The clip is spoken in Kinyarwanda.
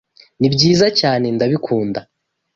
Nibyiza cyane ndabikunda.